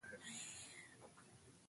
له رنګه تور سړي وويل: په سترګو!